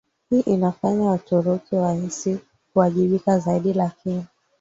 hii inafanya Waturuki wahisi kuwajibika zaidi Lakini